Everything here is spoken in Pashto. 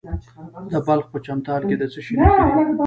د بلخ په چمتال کې د څه شي نښې دي؟